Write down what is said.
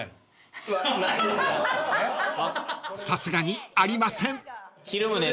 ［さすがにありません］